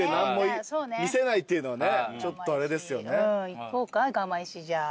行こうかガマ石じゃあ。